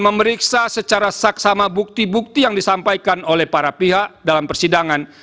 memeriksa secara saksama bukti bukti yang disampaikan oleh para pihak dalam persidangan